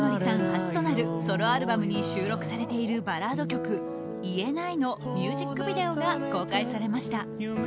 初となるソロアルバムに収録されているバラード曲「言えない」のミュージックビデオが公開されました。